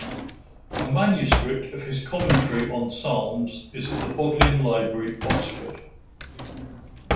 A manuscript of his commentary on Psalms is at the Bodleian Library, Oxford.